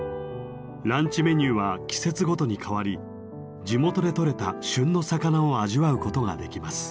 ランチメニューは季節ごとに替わり地元でとれた旬の魚を味わうことができます。